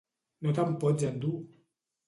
No te'm pots endur!